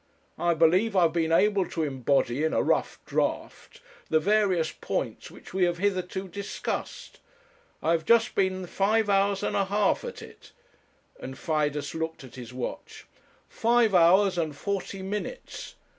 I believe I have been able to embody in a rough draft the various points which we have hitherto discussed. I have just been five hours and a half at it;' and Fidus looked at his watch; 'five hours and forty minutes.